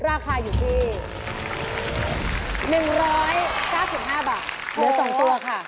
ราคาอยู่ที่๑๙๕บาทเหลือ๒ตัวค่ะ